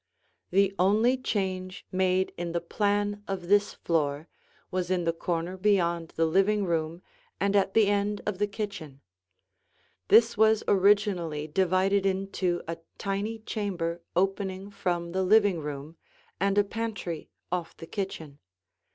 [Illustration: A Corner of the Living Room] The only change made in the plan of this floor was in the corner beyond the living room and at the end of the kitchen. This was originally divided into a tiny chamber opening from the living room, and a pantry off the kitchen.